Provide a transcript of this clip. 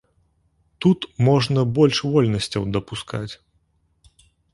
Тут можна больш вольнасцяў дапускаць.